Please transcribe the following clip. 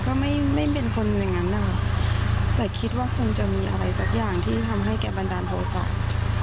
ก็ไม่ไม่เป็นคนอย่างนั้นนะคะแต่คิดว่าคงจะมีอะไรสักอย่างที่ทำให้แกบันดาลโทษะ